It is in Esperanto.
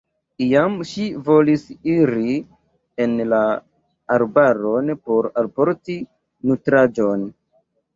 Iam ŝi volis iri en la arbaron por alporti nutraĵon.